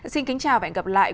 xin chào và hẹn gặp lại